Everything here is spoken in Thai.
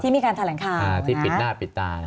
ที่มีการทาแหล่งข่าวที่ปิดหน้าปิดตา